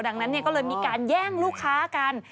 ดังนั้นก็เลยมีการแย่งลูกค้ากัน